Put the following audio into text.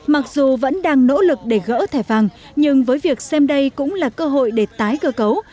mặc dù vẫn đang nỗ lực để gỡ thẻ vàng nhưng với việc xem đây cũng là cơ hội để tái cơ cấu